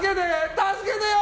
助けてよ！